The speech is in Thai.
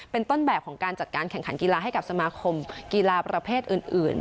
เป็นต้นแบบของการจัดการแข่งขันกีฬาให้กับสมาคมกีฬาประเภทอื่น